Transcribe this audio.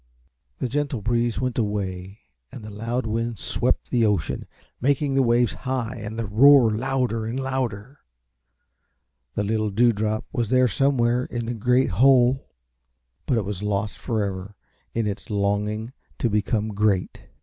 The gentle breeze went away and the loud wind swept the ocean, making the waves high and the roar louder and louder. The little Dewdrop was there somewhere in the great whole, but it was lost forever in its longing to become great.